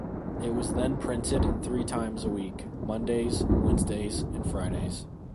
It was then printed three times a week: Mondays; Wednesdays and Fridays.